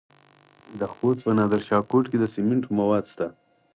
د خوست په نادر شاه کوټ کې د سمنټو مواد شته.